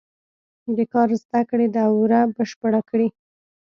د کار زده کړې دوره بشپړه کړي.